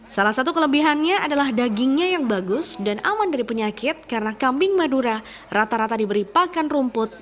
salah satu kelebihannya adalah dagingnya yang bagus dan aman dari penyakit karena kambing madura rata rata diberi pakan rumput